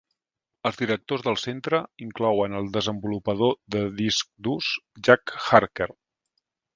Els directors del centre inclouen el desenvolupador de disc durs Jack Harker.